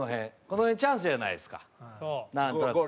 この辺チャンスじゃないですかなんとなく。